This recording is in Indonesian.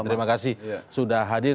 terima kasih sudah hadir